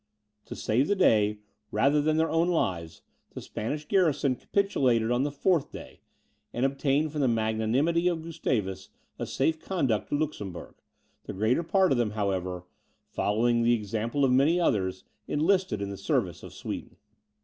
To save the town, rather than their own lives, the Spanish garrison capitulated on the fourth day, and obtained from the magnanimity of Gustavus a safe conduct to Luxembourg; the greater part of them, however, following the example of many others, enlisted in the service of Sweden.